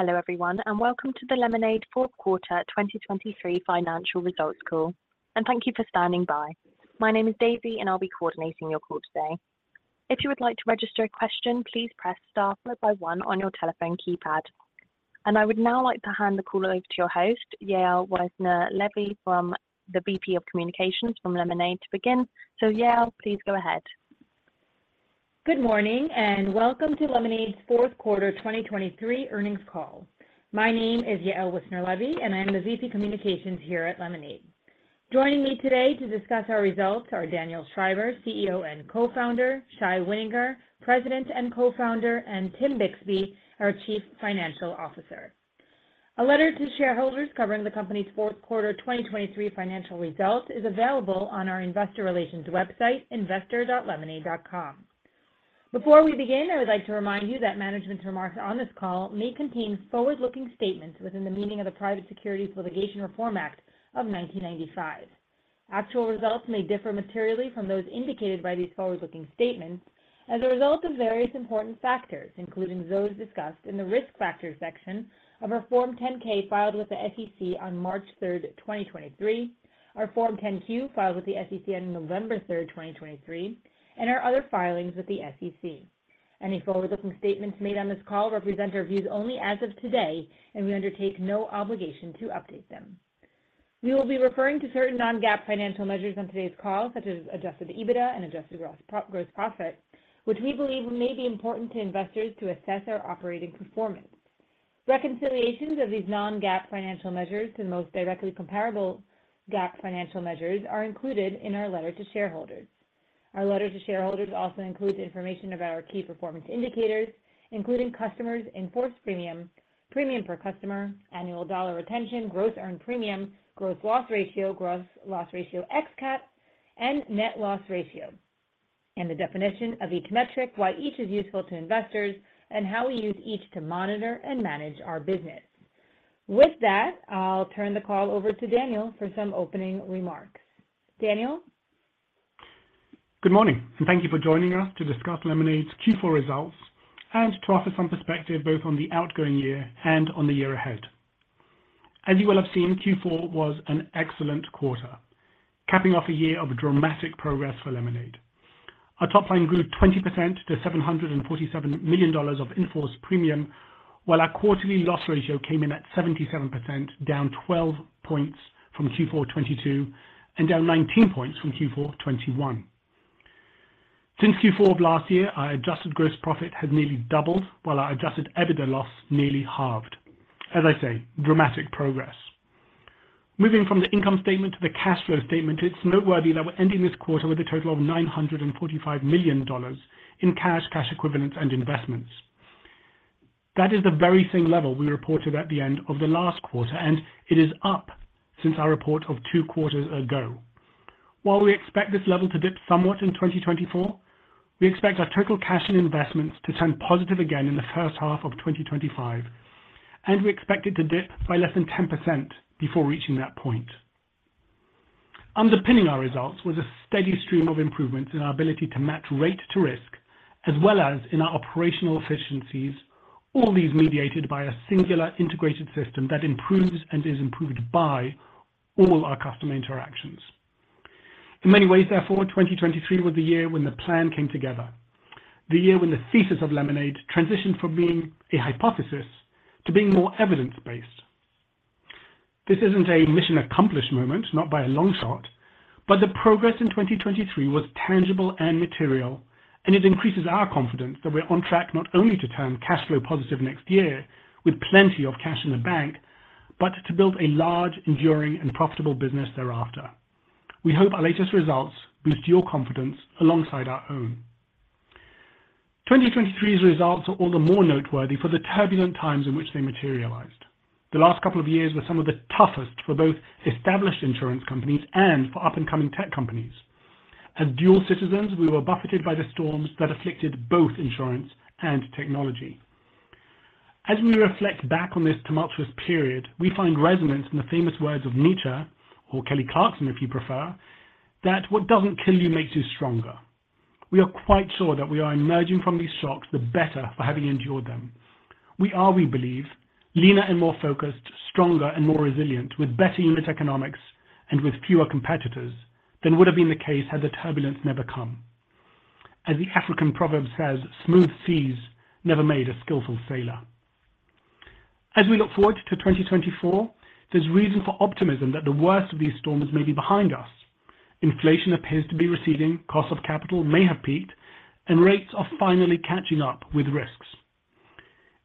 Hello everyone, and welcome to the Lemonade Fourth Quarter 2023 Financial Results Call, and thank you for standing by. My name is Daisy, and I'll be coordinating your call today. If you would like to register a question, please press star followed by 1 on your telephone keypad. I would now like to hand the call over to your host, Yael Wissner-Levy from the VP of Communications at Lemonade, to begin. Yael, please go ahead. Good morning and welcome to Lemonade's Fourth Quarter 2023 Earnings Call. My name is Yael Wissner-Levy, and I am the VP Communications here at Lemonade. Joining me today to discuss our results are Daniel Schreiber, CEO and Co-founder, Shai Wininger, President and Co-founder, and Tim Bixby, our Chief Financial Officer. A letter to shareholders covering the company's Fourth Quarter 2023 financial results is available on our investor relations website, investor.lemonade.com. Before we begin, I would like to remind you that management's remarks on this call may contain forward-looking statements within the meaning of the Private Securities Litigation Reform Act of 1995. Actual results may differ materially from those indicated by these forward-looking statements as a result of various important factors, including those discussed in the risk factors section of our Form 10-K filed with the SEC on March 3rd, 2023, our Form 10-Q filed with the SEC on November 3rd, 2023, and our other filings with the SEC. Any forward-looking statements made on this call represent our views only as of today, and we undertake no obligation to update them. We will be referring to certain non-GAAP financial measures on today's call, such as Adjusted EBITDA and Adjusted Gross Profit, which we believe may be important to investors to assess our operating performance. Reconciliations of these non-GAAP financial measures to the most directly comparable GAAP financial measures are included in our letter to shareholders. Our letter to shareholders also includes information about our key performance indicators, including customers, in-force premium, premium per customer, annual dollar retention, gross earned premium, gross loss ratio, gross loss ratio ex-CAT, and net loss ratio, and the definition of each metric, why each is useful to investors, and how we use each to monitor and manage our business. With that, I'll turn the call over to Daniel for some opening remarks. Daniel? Good morning, and thank you for joining us to discuss Lemonade's Q4 results and to offer some perspective both on the outgoing year and on the year ahead. As you well have seen, Q4 was an excellent quarter, capping off a year of dramatic progress for Lemonade. Our top line grew 20% to $747 million of in-force premium, while our quarterly loss ratio came in at 77%, down 12 points from Q4 2022 and down 19 points from Q4 2021. Since Q4 of last year, our adjusted gross profit has nearly doubled, while our adjusted EBITDA loss nearly halved. As I say, dramatic progress. Moving from the income statement to the cash flow statement, it's noteworthy that we're ending this quarter with a total of $945 million in cash, cash equivalents, and investments. That is the very same level we reported at the end of the last quarter, and it is up since our report of two quarters ago. While we expect this level to dip somewhat in 2024, we expect our total cash and investments to turn positive again in the first half of 2025, and we expect it to dip by less than 10% before reaching that point. Underpinning our results was a steady stream of improvements in our ability to match rate to risk, as well as in our operational efficiencies, all these mediated by a singular integrated system that improves and is improved by all our customer interactions. In many ways, therefore, 2023 was the year when the plan came together, the year when the thesis of Lemonade transitioned from being a hypothesis to being more evidence-based. This isn't a mission accomplish moment, not by a long shot, but the progress in 2023 was tangible and material, and it increases our confidence that we're on track not only to turn cash flow positive next year with plenty of cash in the bank, but to build a large, enduring, and profitable business thereafter. We hope our latest results boost your confidence alongside our own. 2023's results are all the more noteworthy for the turbulent times in which they materialized. The last couple of years were some of the toughest for both established insurance companies and for up-and-coming tech companies. As dual citizens, we were buffeted by the storms that afflicted both insurance and technology. As we reflect back on this tumultuous period, we find resonance in the famous words of Nietzsche, or Kelly Clarkson if you prefer, that "What doesn't kill you makes you stronger." We are quite sure that we are emerging from these shocks the better for having endured them. We are, we believe, leaner and more focused, stronger and more resilient, with better unit economics and with fewer competitors than would have been the case had the turbulence never come. As the African proverb says, "Smooth seas never made a skillful sailor." As we look forward to 2024, there's reason for optimism that the worst of these storms may be behind us. Inflation appears to be receding, costs of capital may have peaked, and rates are finally catching up with risks.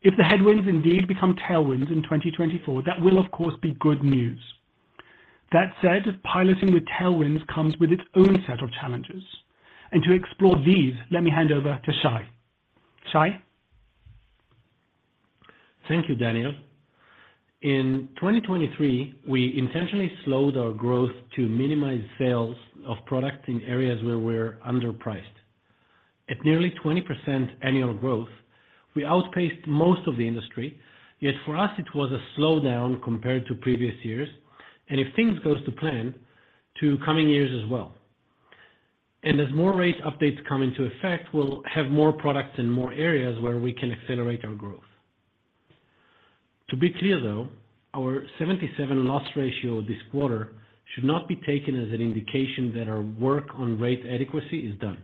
If the headwinds indeed become tailwinds in 2024, that will, of course, be good news. That said, piloting with tailwinds comes with its own set of challenges, and to explore these, let me hand over to Shai. Shai? Thank you, Daniel. In 2023, we intentionally slowed our growth to minimize sales of products in areas where we're underpriced. At nearly 20% annual growth, we outpaced most of the industry, yet for us, it was a slowdown compared to previous years, and if things go to plan, to coming years as well. As more rate updates come into effect, we'll have more products in more areas where we can accelerate our growth. To be clear, though, our 77% loss ratio this quarter should not be taken as an indication that our work on rate adequacy is done.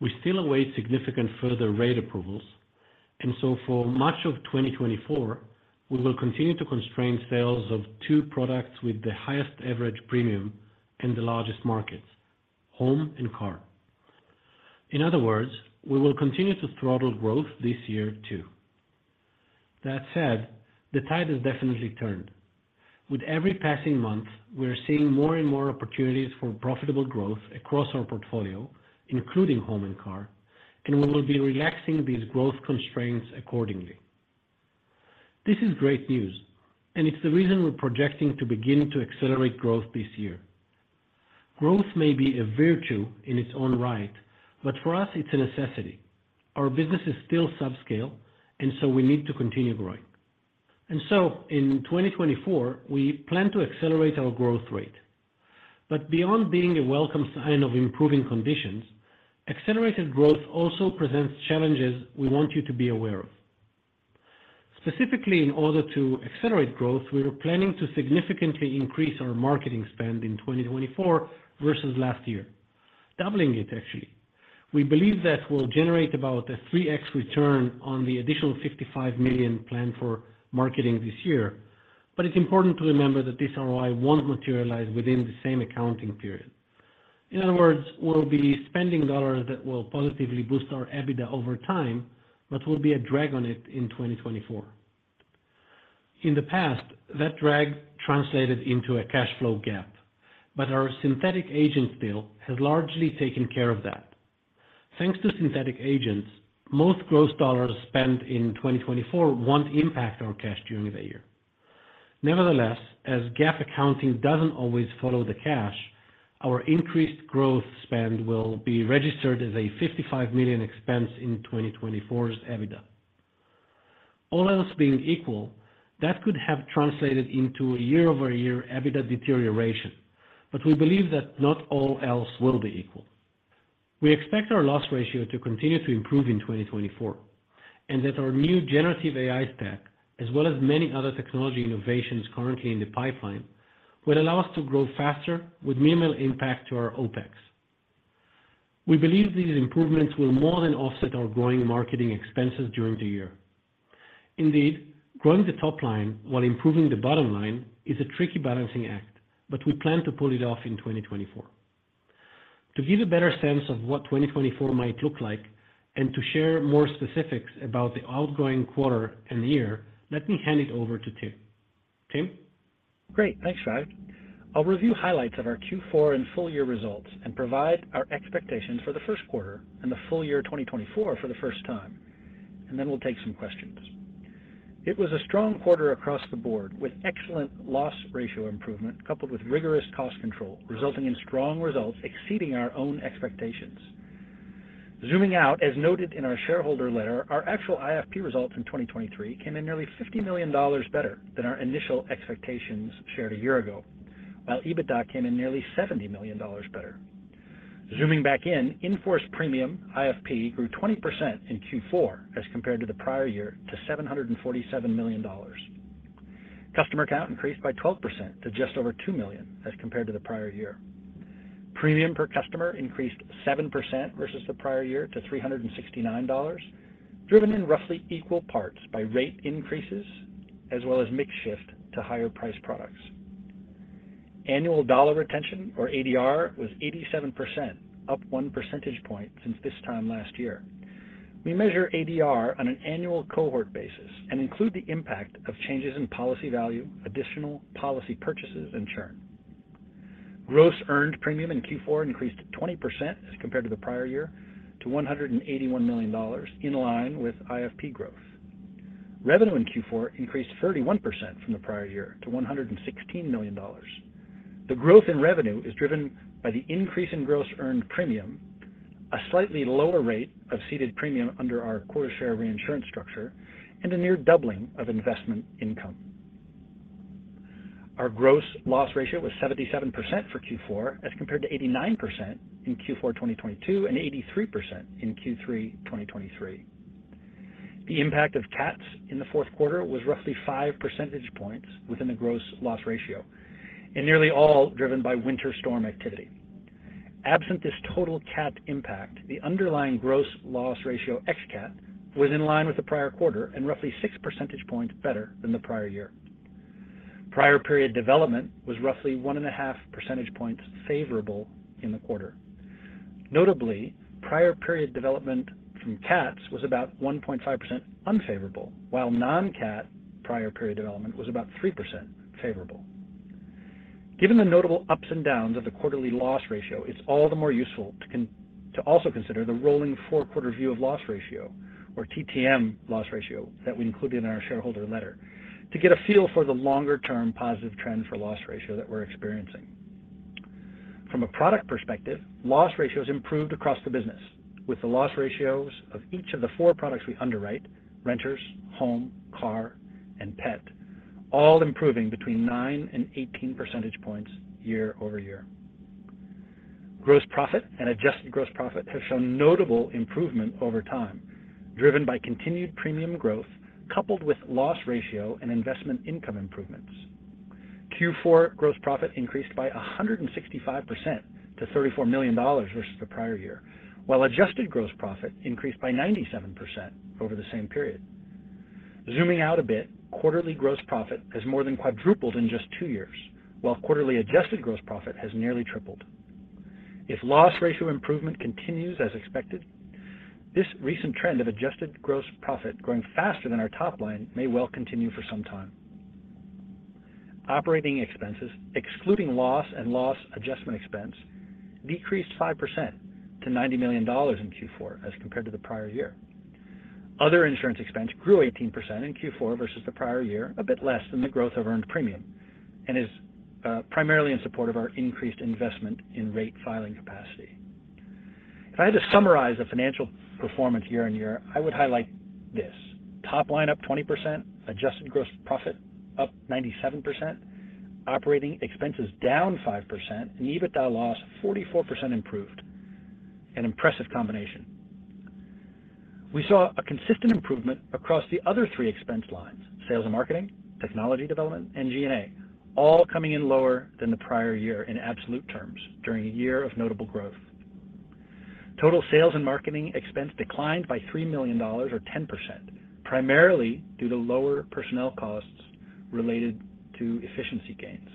We still await significant further rate approvals, and so for much of 2024, we will continue to constrain sales of two products with the highest average premium in the largest markets, home and car. In other words, we will continue to throttle growth this year too. That said, the tide has definitely turned. With every passing month, we're seeing more and more opportunities for profitable growth across our portfolio, including home and car, and we will be relaxing these growth constraints accordingly. This is great news, and it's the reason we're projecting to begin to accelerate growth this year. Growth may be a virtue in its own right, but for us, it's a necessity. Our business is still subscale, and so we need to continue growing. And so in 2024, we plan to accelerate our growth rate. But beyond being a welcome sign of improving conditions, accelerated growth also presents challenges we want you to be aware of. Specifically, in order to accelerate growth, we're planning to significantly increase our marketing spend in 2024 versus last year, doubling it, actually. We believe that will generate about a 3x return on the additional $55 million planned for marketing this year, but it's important to remember that this ROI won't materialize within the same accounting period. In other words, we'll be spending dollars that will positively boost our EBITDA over time, but will be a drag on it in 2024. In the past, that drag translated into a cash flow gap, but our Synthetic Agents deal has largely taken care of that. Thanks to Synthetic Agents, most gross dollars spent in 2024 won't impact our cash during the year. Nevertheless, as GAAP accounting doesn't always follow the cash, our increased growth spend will be registered as a $55 million expense in 2024's EBITDA. All else being equal, that could have translated into a year-over-year EBITDA deterioration, but we believe that not all else will be equal. We expect our loss ratio to continue to improve in 2024, and that our new generative AI stack, as well as many other technology innovations currently in the pipeline, will allow us to grow faster with minimal impact to our OPEX. We believe these improvements will more than offset our growing marketing expenses during the year. Indeed, growing the top line while improving the bottom line is a tricky balancing act, but we plan to pull it off in 2024. To give a better sense of what 2024 might look like and to share more specifics about the outgoing quarter and year, let me hand it over to Tim. Tim? Great. Thanks, Shai. I'll review highlights of our Q4 and full-year results and provide our expectations for the first quarter and the full year 2024 for the first time, and then we'll take some questions. It was a strong quarter across the board with excellent loss ratio improvement coupled with rigorous cost control, resulting in strong results exceeding our own expectations. Zooming out, as noted in our shareholder letter, our actual IFP results in 2023 came in nearly $50 million better than our initial expectations shared a year ago, while EBITDA came in nearly $70 million better. Zooming back in, In-Force Premium IFP grew 20% in Q4 as compared to the prior year to $747 million. Customer count increased by 12% to just over 2 million as compared to the prior year. Premium per customer increased 7% versus the prior year to $369, driven in roughly equal parts by rate increases as well as mix shift to higher-priced products. Annual dollar retention, or ADR, was 87%, up one percentage point since this time last year. We measure ADR on an annual cohort basis and include the impact of changes in policy value, additional policy purchases, and churn. Gross earned premium in Q4 increased 20% as compared to the prior year to $181 million, in line with IFP growth. Revenue in Q4 increased 31% from the prior year to $116 million. The growth in revenue is driven by the increase in gross earned premium, a slightly lower rate of ceded premium under our quota share reinsurance structure, and a near doubling of investment income. Our gross loss ratio was 77% for Q4 as compared to 89% in Q4 2022 and 83% in Q3 2023. The impact of CATs in the fourth quarter was roughly 5 percentage points within the gross loss ratio, and nearly all driven by winter storm activity. Absent this total CAT impact, the underlying gross loss ratio ex-CAT was in line with the prior quarter and roughly 6 percentage points better than the prior year. Prior period development was roughly 1.5 percentage points favorable in the quarter. Notably, prior period development from CATs was about 1.5% unfavorable, while non-CAT prior period development was about 3% favorable. Given the notable ups and downs of the quarterly loss ratio, it's all the more useful to also consider the rolling four-quarter view of loss ratio, or TTM loss ratio, that we included in our shareholder letter to get a feel for the longer-term positive trend for loss ratio that we're experiencing. From a product perspective, loss ratios improved across the business, with the loss ratios of each of the four products we underwrite (renters, home, car, and pet) all improving between 9-18 percentage points year-over-year. Gross profit and adjusted gross profit have shown notable improvement over time, driven by continued premium growth coupled with loss ratio and investment income improvements. Q4 gross profit increased by 165% to $34 million versus the prior year, while adjusted gross profit increased by 97% over the same period. Zooming out a bit, quarterly gross profit has more than quadrupled in just two years, while quarterly adjusted gross profit has nearly tripled. If loss ratio improvement continues as expected, this recent trend of adjusted gross profit growing faster than our top line may well continue for some time. Operating expenses, excluding loss and loss adjustment expense, decreased 5% to $90 million in Q4 as compared to the prior year. Other insurance expense grew 18% in Q4 versus the prior year, a bit less than the growth of earned premium, and is primarily in support of our increased investment in rate filing capacity. If I had to summarize the financial performance year-over-year, I would highlight this: top line up 20%, adjusted gross profit up 97%, operating expenses down 5%, and EBITDA loss 44% improved. An impressive combination. We saw a consistent improvement across the other three expense lines: sales and marketing, technology development, and G&A, all coming in lower than the prior year in absolute terms during a year of notable growth. Total sales and marketing expense declined by $3 million, or 10%, primarily due to lower personnel costs related to efficiency gains.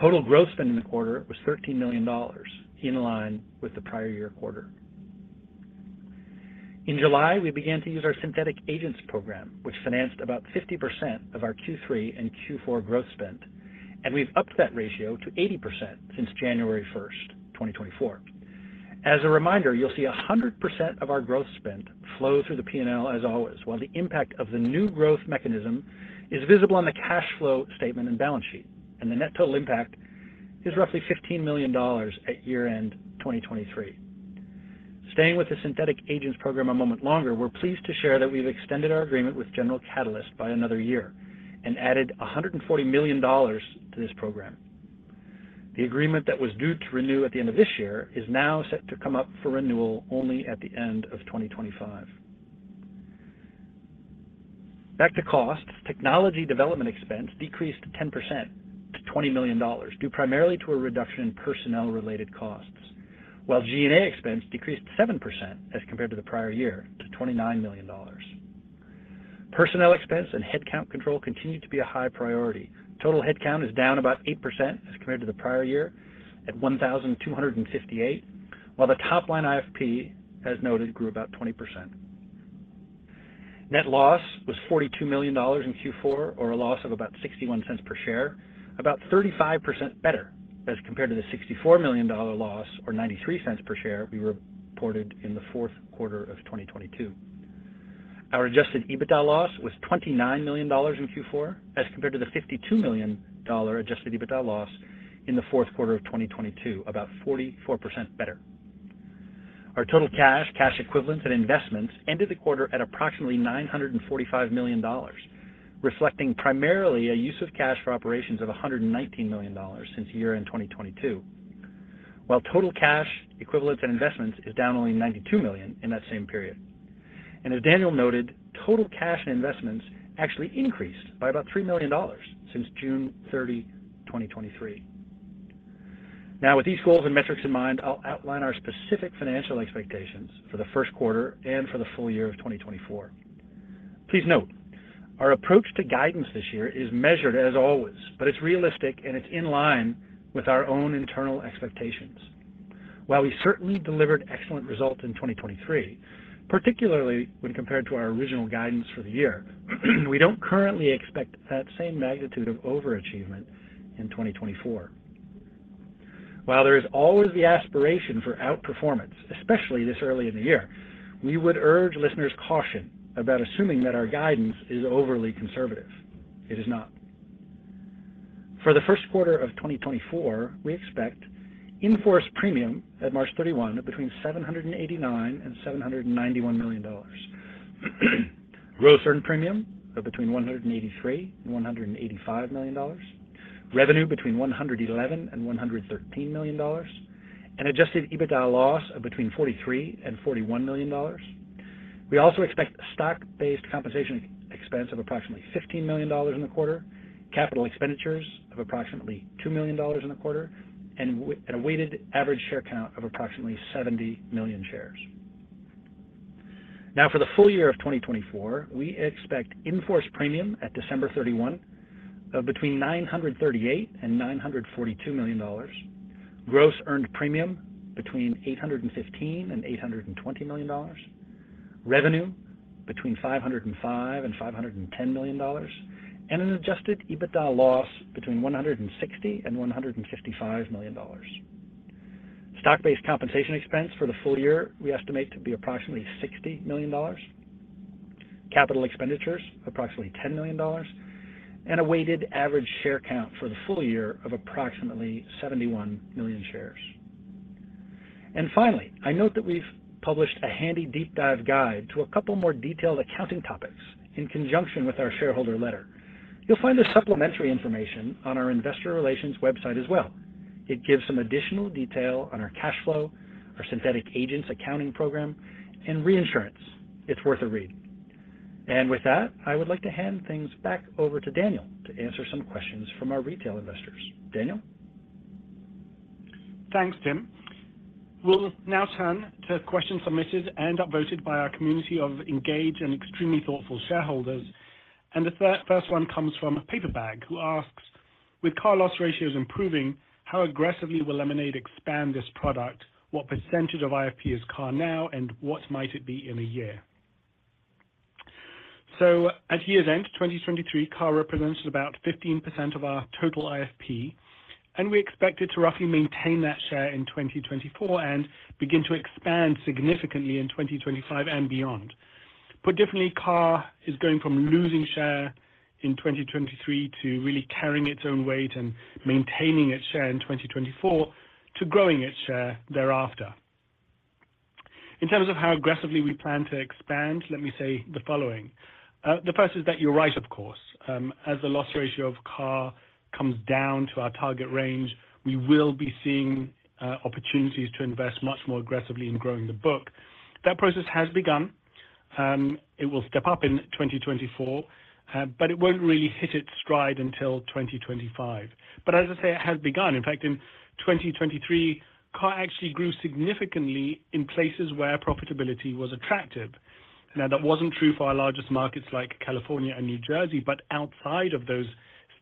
Total growth spend in the quarter was $13 million, in line with the prior year quarter. In July, we began to use our Synthetic Agents program, which financed about 50% of our Q3 and Q4 growth spend, and we've upped that ratio to 80% since January 1st, 2024. As a reminder, you'll see 100% of our growth spend flow through the P&L as always, while the impact of the new growth mechanism is visible on the cash flow statement and balance sheet, and the net total impact is roughly $15 million at year-end 2023. Staying with the Synthetic Agents program a moment longer, we're pleased to share that we've extended our agreement with General Catalyst by another year and added $140 million to this program. The agreement that was due to renew at the end of this year is now set to come up for renewal only at the end of 2025. Back to costs, technology development expense decreased 10% to $20 million, due primarily to a reduction in personnel-related costs, while G&A expense decreased 7% as compared to the prior year to $29 million. Personnel expense and headcount control continue to be a high priority. Total headcount is down about 8% as compared to the prior year at 1,258, while the top line IFP, as noted, grew about 20%. Net loss was $42 million in Q4, or a loss of about $0.61 per share, about 35% better as compared to the $64 million loss or $0.93 per share we reported in the fourth quarter of 2022. Our Adjusted EBITDA loss was $29 million in Q4 as compared to the $52 million Adjusted EBITDA loss in the fourth quarter of 2022, about 44% better. Our total cash, cash equivalents, and investments ended the quarter at approximately $945 million, reflecting primarily a use of cash for operations of $119 million since year-end 2022, while total cash equivalents and investments is down only $92 million in that same period. And as Daniel noted, total cash and investments actually increased by about $3 million since June 30, 2023. Now, with these goals and metrics in mind, I'll outline our specific financial expectations for the first quarter and for the full year of 2024. Please note, our approach to guidance this year is measured as always, but it's realistic and it's in line with our own internal expectations. While we certainly delivered excellent results in 2023, particularly when compared to our original guidance for the year, we don't currently expect that same magnitude of overachievement in 2024. While there is always the aspiration for outperformance, especially this early in the year, we would urge listeners' caution about assuming that our guidance is overly conservative. It is not. For the first quarter of 2024, we expect in-force premium at March 31 of between $789 and $791 million, gross earned premium of between $183 and $185 million, revenue between $111 and $113 million, and adjusted EBITDA loss of between $43 and $41 million. We also expect stock-based compensation expense of approximately $15 million in the quarter, capital expenditures of approximately $2 million in the quarter, and a weighted average share count of approximately 70 million shares. Now, for the full year of 2024, we expect in-force premium at December 31 of between $938 and $942 million, gross earned premium between $815 and $820 million, revenue between $505 and $510 million, and an Adjusted EBITDA loss between $160 and $155 million. Stock-based compensation expense for the full year we estimate to be approximately $60 million, capital expenditures approximately $10 million, and a weighted average share count for the full year of approximately 71 million shares. And finally, I note that we've published a handy deep dive guide to a couple more detailed accounting topics in conjunction with our shareholder letter. You'll find the supplementary information on our investor relations website as well. It gives some additional detail on our cash flow, our Synthetic Agents accounting program, and reinsurance. It's worth a read. With that, I would like to hand things back over to Daniel to answer some questions from our retail investors. Daniel? Thanks, Tim. We'll now turn to questions submitted and upvoted by our community of engaged and extremely thoughtful shareholders. The first one comes from Paperbag, who asks, "With car loss ratios improving, how aggressively will Lemonade expand this product? What percentage of IFP is car now, and what might it be in a year?" So at year's end, 2023, car represents about 15% of our total IFP, and we expect it to roughly maintain that share in 2024 and begin to expand significantly in 2025 and beyond. Put differently, car is going from losing share in 2023 to really carrying its own weight and maintaining its share in 2024 to growing its share thereafter. In terms of how aggressively we plan to expand, let me say the following. The first is that you're right, of course. As the loss ratio of car comes down to our target range, we will be seeing opportunities to invest much more aggressively in growing the book. That process has begun. It will step up in 2024, but it won't really hit its stride until 2025. But as I say, it has begun. In fact, in 2023, car actually grew significantly in places where profitability was attractive. Now, that wasn't true for our largest markets like California and New Jersey, but outside of those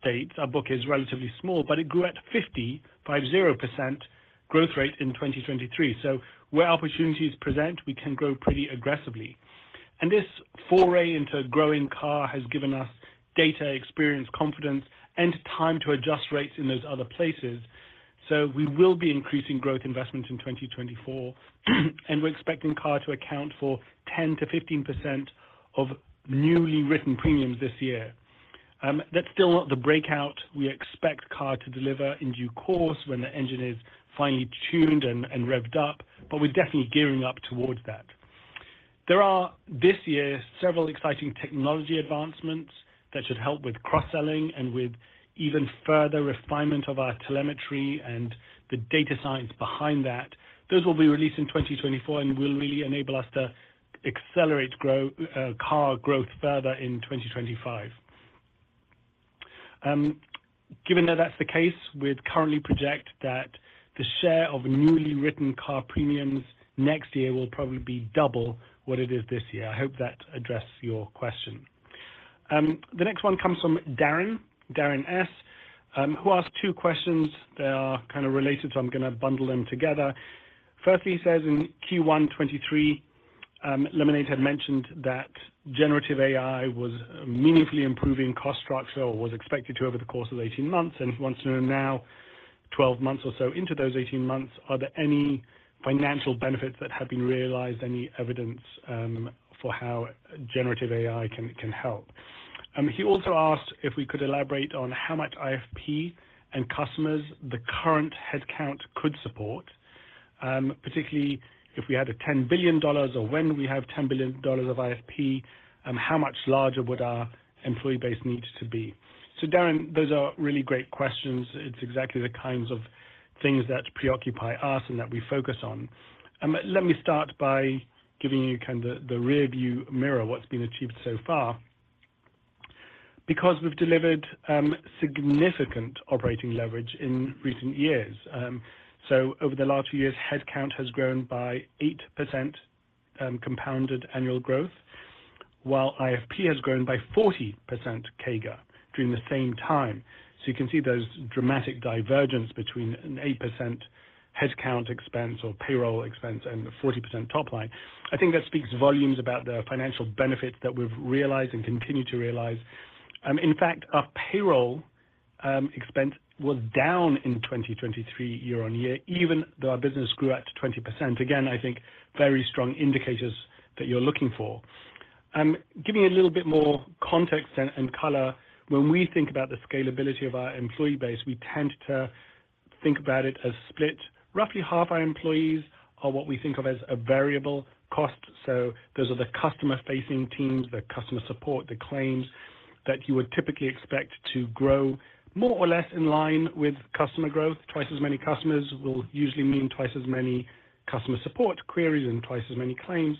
states, our book is relatively small, but it grew at 50% growth rate in 2023. So where opportunities present, we can grow pretty aggressively. And this foray into growing car has given us data, experience, confidence, and time to adjust rates in those other places. So we will be increasing growth investment in 2024, and we're expecting car to account for 10%-15% of newly written premiums this year. That's still not the breakout. We expect car to deliver in due course when the engine is finally tuned and revved up, but we're definitely gearing up towards that. There are, this year, several exciting technology advancements that should help with cross-selling and with even further refinement of our telemetry and the data science behind that. Those will be released in 2024 and will really enable us to accelerate car growth further in 2025. Given that that's the case, we currently project that the share of newly written car premiums next year will probably be double what it is this year. I hope that addresses your question. The next one comes from Darin, Darin S., who asked two questions. They are kind of related, so I'm going to bundle them together. First, he says, "In Q1 2023, Lemonade had mentioned that generative AI was meaningfully improving cost structure or was expected to over the course of 18 months, and he wants to know now, 12 months or so, into those 18 months, are there any financial benefits that have been realized, any evidence for how generative AI can help?" He also asked if we could elaborate on how much IFP and customers the current headcount could support, particularly if we had a $10 billion or when we have $10 billion of IFP, how much larger would our employee base need to be? So Darin, those are really great questions. It's exactly the kinds of things that preoccupy us and that we focus on. Let me start by giving you kind of the rearview mirror, what's been achieved so far. Because we've delivered significant operating leverage in recent years, so over the last few years, headcount has grown by 8% compounded annual growth, while IFP has grown by 40% CAGR during the same time. So you can see those dramatic divergence between an 8% headcount expense or payroll expense and a 40% top line. I think that speaks volumes about the financial benefits that we've realized and continue to realize. In fact, our payroll expense was down in 2023 year-over-year, even though our business grew at 20%. Again, I think very strong indicators that you're looking for. Giving you a little bit more context and color, when we think about the scalability of our employee base, we tend to think about it as split. Roughly half our employees are what we think of as a variable cost. So those are the customer-facing teams, the customer support, the claims that you would typically expect to grow more or less in line with customer growth. Twice as many customers will usually mean twice as many customer support queries and twice as many claims.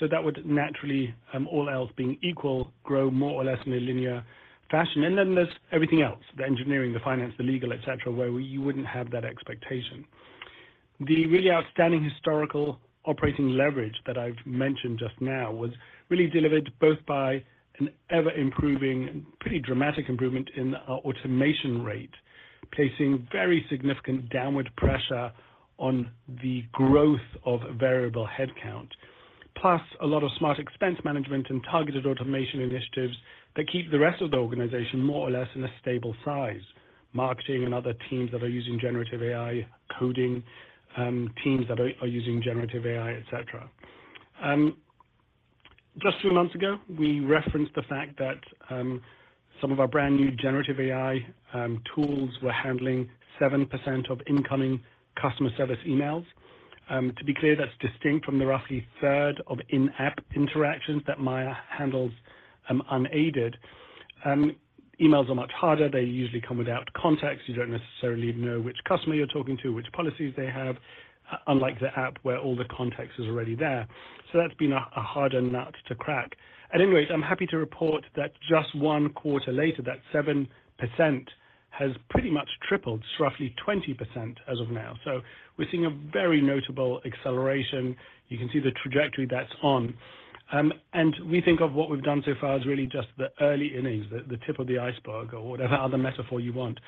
So that would naturally, all else being equal, grow more or less in a linear fashion. And then there's everything else: the engineering, the finance, the legal, etc., where you wouldn't have that expectation. The really outstanding historical operating leverage that I've mentioned just now was really delivered both by an ever-improving, pretty dramatic improvement in our automation rate, placing very significant downward pressure on the growth of variable headcount, plus a lot of smart expense management and targeted automation initiatives that keep the rest of the organization more or less in a stable size: marketing and other teams that are using generative AI, coding teams that are using generative AI, etc. Just three months ago, we referenced the fact that some of our brand-new generative AI tools were handling 7% of incoming customer service emails. To be clear, that's distinct from the roughly third of in-app interactions that Maya handles unaided. Emails are much harder. They usually come without context. You don't necessarily know which customer you're talking to, which policies they have, unlike the app where all the context is already there. So that's been a harder nut to crack. At any rate, I'm happy to report that just one quarter later, that 7% has pretty much tripled, so roughly 20% as of now. So we're seeing a very notable acceleration. You can see the trajectory that's on. And we think of what we've done so far as really just the early innings, the tip of the iceberg, or whatever other metaphor you want.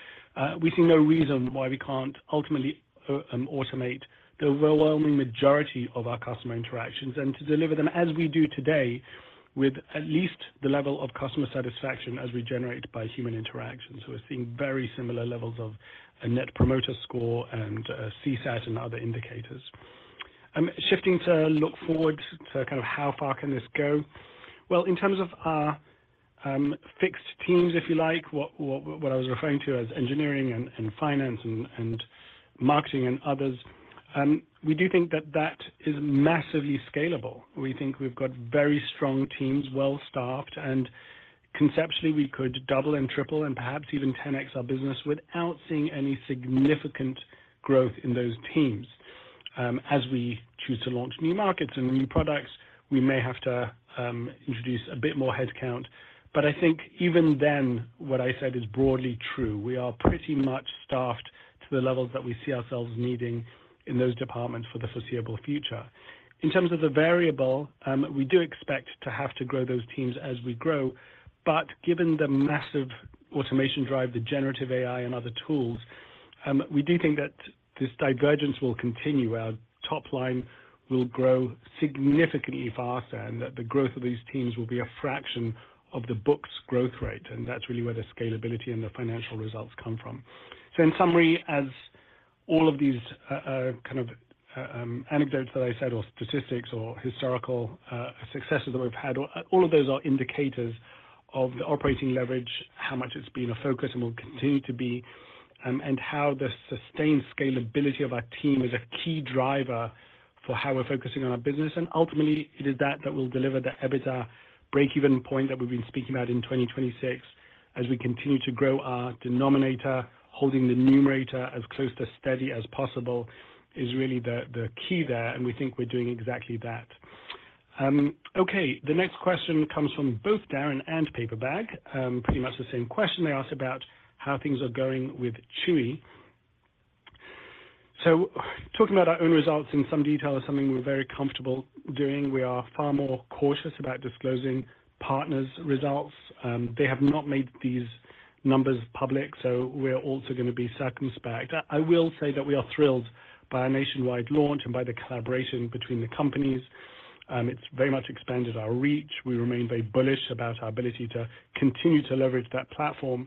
We see no reason why we can't ultimately automate the overwhelming majority of our customer interactions and to deliver them as we do today with at least the level of customer satisfaction as we generate by human interaction. So we're seeing very similar levels of a Net Promoter Score and CSAT and other indicators. Shifting to look forward to kind of how far can this go. Well, in terms of our fixed teams, if you like, what I was referring to as engineering and finance and marketing and others, we do think that that is massively scalable. We think we've got very strong teams, well-staffed, and conceptually, we could double and triple and perhaps even 10x our business without seeing any significant growth in those teams. As we choose to launch new markets and new products, we may have to introduce a bit more headcount. But I think even then, what I said is broadly true. We are pretty much staffed to the levels that we see ourselves needing in those departments for the foreseeable future. In terms of the variable, we do expect to have to grow those teams as we grow. But given the massive automation drive, the generative AI and other tools, we do think that this divergence will continue. Our top line will grow significantly faster and that the growth of these teams will be a fraction of the book's growth rate. That's really where the scalability and the financial results come from. In summary, as all of these kind of anecdotes that I said or statistics or historical successes that we've had, all of those are indicators of the operating leverage, how much it's been a focus and will continue to be, and how the sustained scalability of our team is a key driver for how we're focusing on our business. Ultimately, it is that that will deliver the EBITDA breakeven point that we've been speaking about in 2026. As we continue to grow our denominator, holding the numerator as close to steady as possible is really the key there, and we think we're doing exactly that. Okay. The next question comes from both Darin and Paperbag, pretty much the same question. They ask about how things are going with Chewy. Talking about our own results in some detail is something we're very comfortable doing. We are far more cautious about disclosing partners' results. They have not made these numbers public, so we're also going to be circumspect. I will say that we are thrilled by our nationwide launch and by the collaboration between the companies. It's very much expanded our reach. We remain very bullish about our ability to continue to leverage that platform.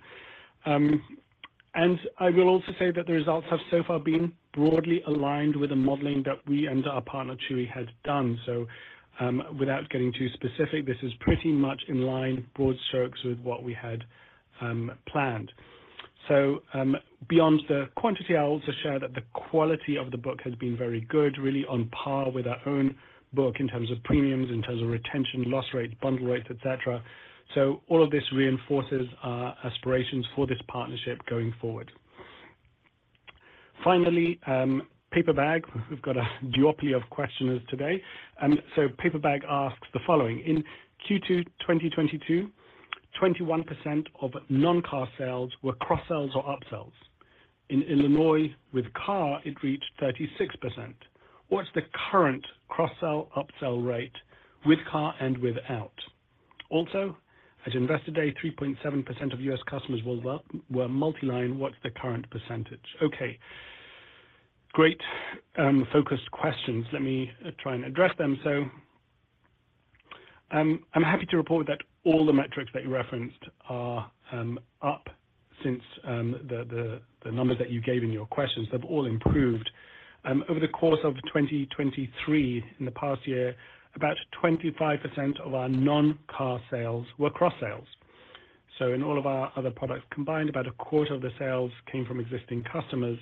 I will also say that the results have so far been broadly aligned with the modeling that we and our partner, Chewy, had done. Without getting too specific, this is pretty much in line, broad strokes, with what we had planned. So beyond the quantity, I'll also share that the quality of the book has been very good, really on par with our own book in terms of premiums, in terms of retention, loss rates, bundle rates, etc. So all of this reinforces our aspirations for this partnership going forward. Finally, Paperbag, we've got a duopoly of questioners today. So Paperbag asks the following. In Q2 2022, 21% of non-car sales were cross-sales or upsells. In Illinois, with car, it reached 36%. What's the current cross-sale, upsell rate with car and without? Also, at Investor Day, 3.7% of U.S. customers were multiline. What's the current percentage? Okay. Great, focused questions. Let me try and address them. So I'm happy to report that all the metrics that you referenced are up since the numbers that you gave in your questions. They've all improved. Over the course of 2023, in the past year, about 25% of our non-car sales were cross-sales. So in all of our other products combined, about a quarter of the sales came from existing customers.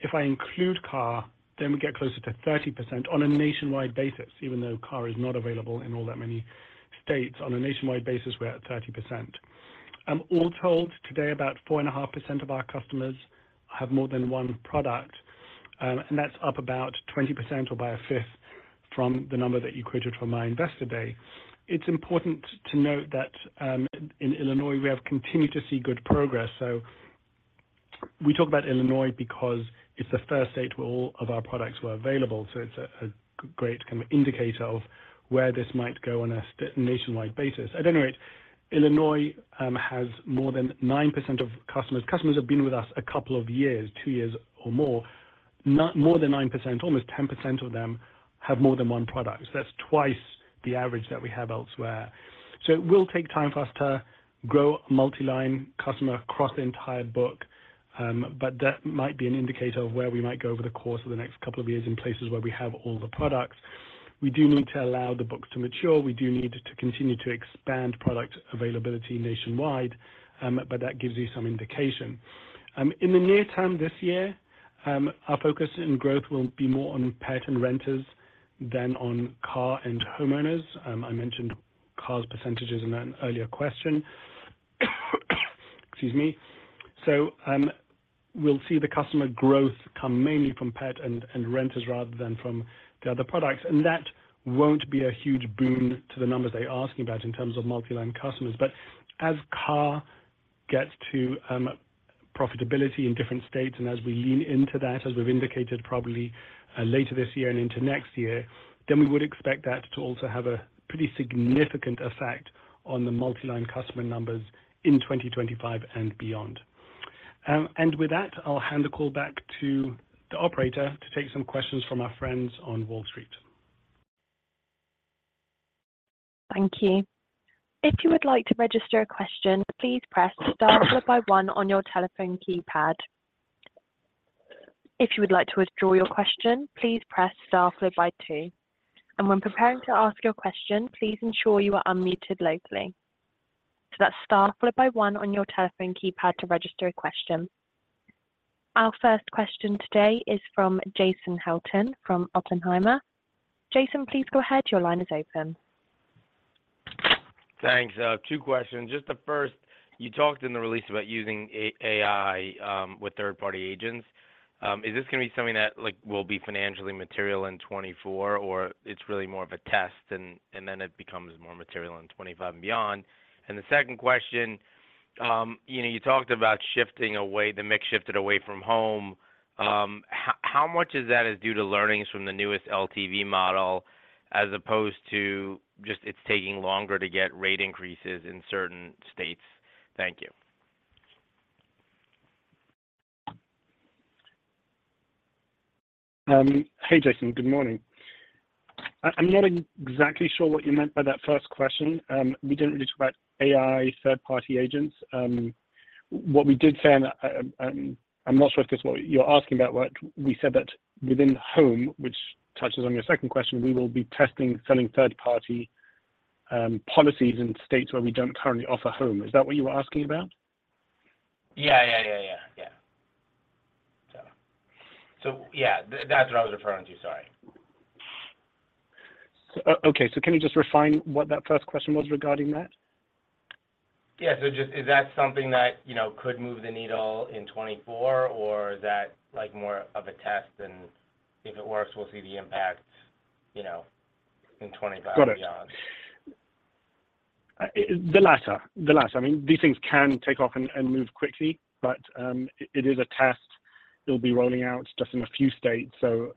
If I include car, then we get closer to 30% on a nationwide basis, even though car is not available in all that many states. On a nationwide basis, we're at 30%. All told, today, about 4.5% of our customers have more than one product, and that's up about 20% or by a fifth from the number that you quoted from my Investor Day. It's important to note that in Illinois, we have continued to see good progress. So we talk about Illinois because it's the first state where all of our products were available. So it's a great kind of indicator of where this might go on a nationwide basis. At any rate, Illinois has more than 9% of customers. Customers have been with us a couple of years, two years or more. More than 9%, almost 10% of them, have more than one product. That's twice the average that we have elsewhere. So it will take time for us to grow multiline customer across the entire book, but that might be an indicator of where we might go over the course of the next couple of years in places where we have all the products. We do need to allow the books to mature. We do need to continue to expand product availability nationwide, but that gives you some indication. In the near term this year, our focus and growth will be more on pet and renters than on car and homeowners. I mentioned car's percentages in an earlier question. Excuse me. We'll see the customer growth come mainly from pet and renters rather than from the other products. That won't be a huge boon to the numbers they're asking about in terms of multiline customers. As car gets to profitability in different states and as we lean into that, as we've indicated probably later this year and into next year, then we would expect that to also have a pretty significant effect on the multiline customer numbers in 2025 and beyond. With that, I'll hand the call back to the operator to take some questions from our friends on Wall Street. Thank you. If you would like to register a question, please press star followed by one on your telephone keypad. If you would like to withdraw your question, please press star followed by two. When preparing to ask your question, please ensure you are unmuted locally. That's star followed by one on your telephone keypad to register a question. Our first question today is from Jason Helfstein from Oppenheimer. Jason, please go ahead. Your line is open. Thanks. I have two questions. Just the first, you talked in the release about using AI with third-party agents. Is this going to be something that will be financially material in 2024, or it's really more of a test and then it becomes more material in 2025 and beyond? And the second question, you talked about shifting away, the mix shifted away from home. How much of that is due to learnings from the newest LTV model as opposed to just it's taking longer to get rate increases in certain states? Thank you. Hey, Jason. Good morning. I'm not exactly sure what you meant by that first question. We didn't really talk about AI, third-party agents. What we did say, and I'm not sure if this is what you're asking about, but we said that within home, which touches on your second question, we will be testing, selling third-party policies in states where we don't currently offer home. Is that what you were asking about? Yeah. Yeah. Yeah. Yeah. So yeah, that's what I was referring to. Sorry. Okay. So can you just refine what that first question was regarding that? Yeah. So is that something that could move the needle in 2024, or is that more of a test and if it works, we'll see the impact in 2025 and beyond? Got it. The latter. The latter. I mean, these things can take off and move quickly, but it is a test. It'll be rolling out just in a few states, and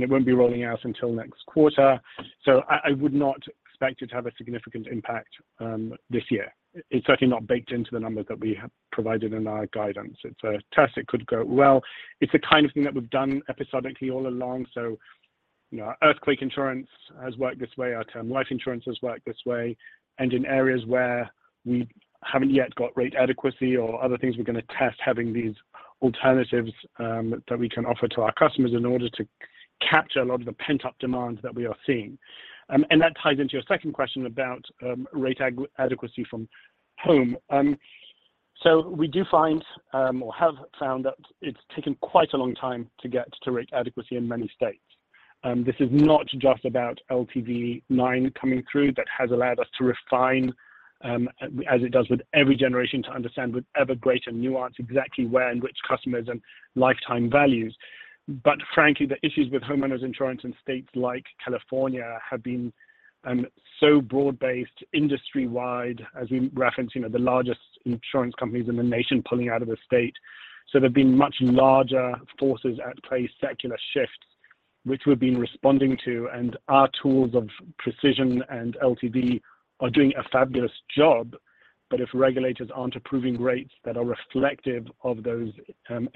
it won't be rolling out until next quarter. So I would not expect it to have a significant impact this year. It's certainly not baked into the numbers that we have provided in our guidance. It's a test. It could go well. It's the kind of thing that we've done episodically all along. So our earthquake insurance has worked this way. Our term life insurance has worked this way. And in areas where we haven't yet got rate adequacy or other things, we're going to test having these alternatives that we can offer to our customers in order to capture a lot of the pent-up demand that we are seeing. That ties into your second question about rate adequacy from home. So we do find or have found that it's taken quite a long time to get to rate adequacy in many states. This is not just about LTV 9 coming through, that has allowed us to refine, as it does with every generation, to understand with ever greater nuance exactly where and which customers and lifetime values. But frankly, the issues with homeowners insurance in states like California have been so broad-based, industry-wide, as we referenced, the largest insurance companies in the nation pulling out of the state. So there have been much larger forces at play, secular shifts, which we've been responding to. And our tools of precision and LTV are doing a fabulous job. But if regulators aren't approving rates that are reflective of those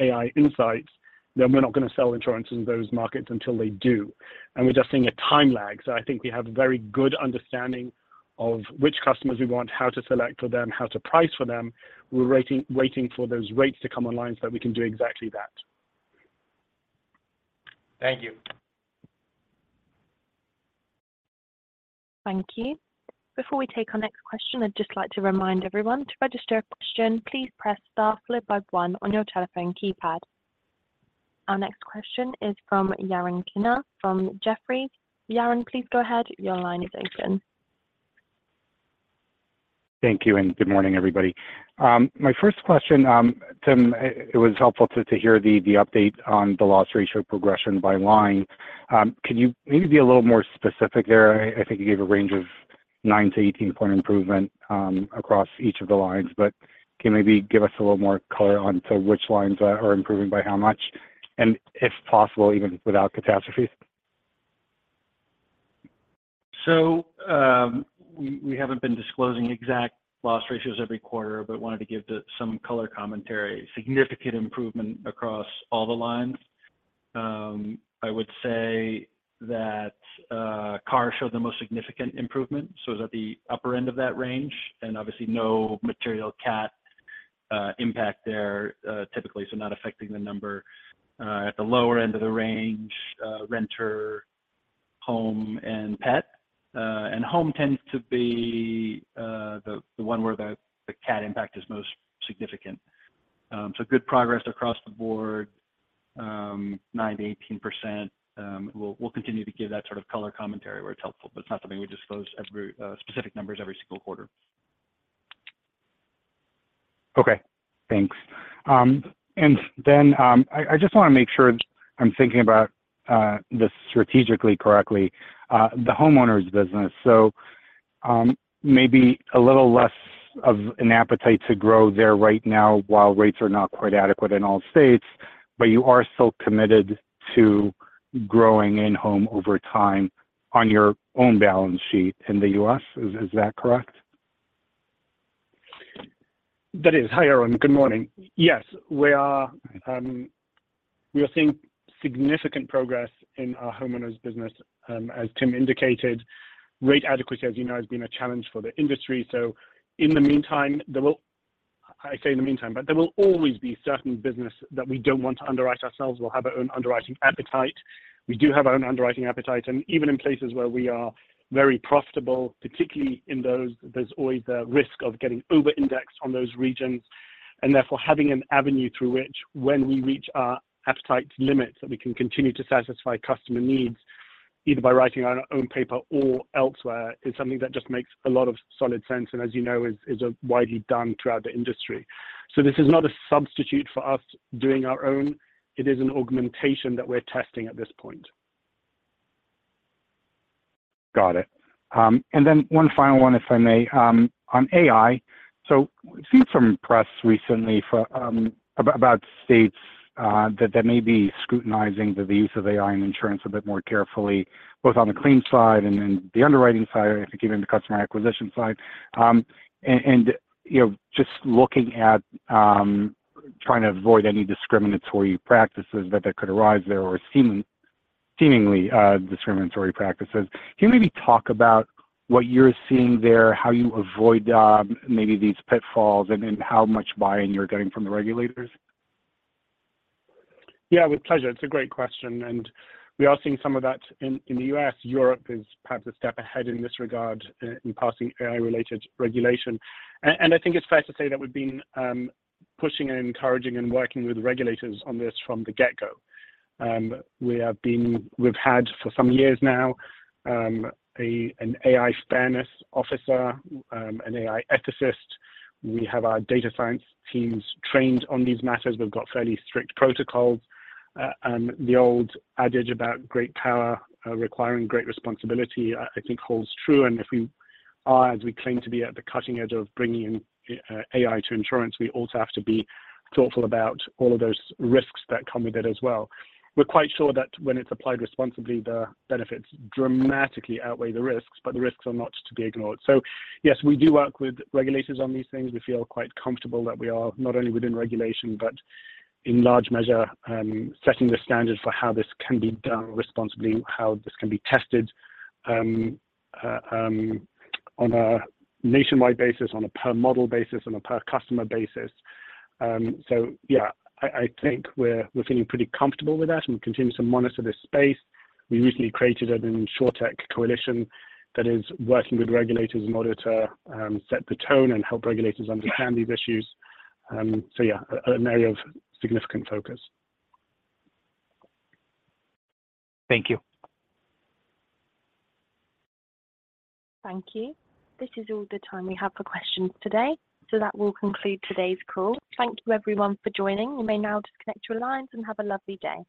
AI insights, then we're not going to sell insurance in those markets until they do. We're just seeing a time lag. I think we have a very good understanding of which customers we want, how to select for them, how to price for them. We're waiting for those rates to come online so that we can do exactly that. Thank you. Thank you. Before we take our next question, I'd just like to remind everyone to register a question. Please press star followed by one on your telephone keypad. Our next question is from Yaron Kinar from Jefferies. Yael Wissner, please go ahead. Your line is open. Thank you and good morning, everybody. My first question, Tim, it was helpful to hear the update on the loss ratio progression by line. Could you maybe be a little more specific there? I think you gave a range of 9-18 point improvement across each of the lines. But can you maybe give us a little more color onto which lines are improving by how much and, if possible, even without catastrophes? So we haven't been disclosing exact loss ratios every quarter, but wanted to give some color commentary. Significant improvement across all the lines. I would say that car showed the most significant improvement. So it's at the upper end of that range and obviously no material cat impact there typically, so not affecting the number. At the lower end of the range, renter, home, and pet. And home tends to be the one where the cat impact is most significant. So good progress across the board, 9%-18%. We'll continue to give that sort of color commentary where it's helpful, but it's not something we disclose specific numbers every single quarter. Okay. Thanks. And then I just want to make sure I'm thinking about this strategically correctly, the homeowners' business. So maybe a little less of an appetite to grow there right now while rates are not quite adequate in all states, but you are still committed to growing homeowners over time on your own balance sheet in the U.S. Is that correct? That is. Hi, Yaron good morning. Yes. We are seeing significant progress in our homeowners' business. As Tim indicated, rate adequacy, as you know, has been a challenge for the industry. So in the meantime, but there will always be certain business that we don't want to underwrite ourselves. We'll have our own underwriting appetite. We do have our own underwriting appetite. And even in places where we are very profitable, particularly in those, there's always the risk of getting over-indexed on those regions. And therefore, having an avenue through which, when we reach our appetite limits, that we can continue to satisfy customer needs either by writing our own paper or elsewhere is something that just makes a lot of solid sense and, as you know, is widely done throughout the industry. This is not a substitute for us doing our own. It is an augmentation that we're testing at this point. Got it. And then one final one, if I may, on AI. So I've seen from press recently about states that they may be scrutinizing the use of AI in insurance a bit more carefully, both on the claim side and the underwriting side, I think even the customer acquisition side. And just looking at trying to avoid any discriminatory practices that could arise there or seemingly discriminatory practices, can you maybe talk about what you're seeing there, how you avoid maybe these pitfalls, and how much buy-in you're getting from the regulators? Yeah, with pleasure. It's a great question. And we are seeing some of that in the U.S. Europe is perhaps a step ahead in this regard in passing AI-related regulation. And I think it's fair to say that we've been pushing and encouraging and working with regulators on this from the get-go. We've had for some years now an AI fairness officer, an AI ethicist. We have our data science teams trained on these matters. We've got fairly strict protocols. The old adage about great power requiring great responsibility, I think, holds true. And if we are, as we claim to be, at the cutting edge of bringing in AI to insurance, we also have to be thoughtful about all of those risks that come with it as well. We're quite sure that when it's applied responsibly, the benefits dramatically outweigh the risks, but the risks are not to be ignored. So yes, we do work with regulators on these things. We feel quite comfortable that we are not only within regulation but, in large measure, setting the standard for how this can be done responsibly, how this can be tested on a nationwide basis, on a per-model basis, on a per-customer basis. So yeah, I think we're feeling pretty comfortable with that and we continue to monitor this space. We recently created an insurtech coalition that is working with regulators in order to set the tone and help regulators understand these issues. So yeah, an area of significant focus. Thank you. Thank you. This is all the time we have for questions today. That will conclude today's call. Thank you, everyone, for joining. You may now disconnect your lines and have a lovely day.